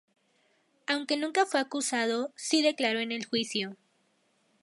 Aunque nunca fue acusado sí declaró en el juicio.